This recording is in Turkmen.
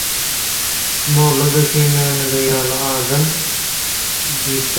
Molla-da hemmämiz ýaly adam” diýip bilemok.